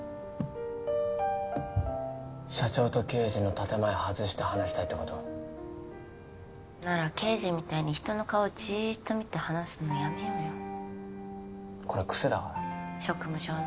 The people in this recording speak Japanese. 社長と刑事の建前外して話したいってことなら刑事みたいに人の顔じっと見て話すのやめようよこれ癖だから職務上の？